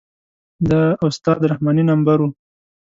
د استاد رحماني نمبر و.